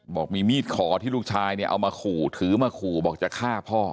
บอกมีมีดขอที่ลูกชายเนี่ยเอามาขู่ถือมาขู่บอกจะฆ่าพ่อ